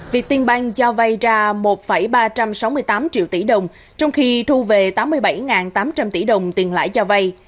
việt tiên bang cho vay ra một ba trăm sáu mươi tám triệu tỷ đồng trong khi thu về tám mươi bảy tám trăm linh tỷ đồng tiền lãi cho vay